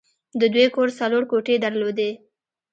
د دوی کور څلور کوټې درلودې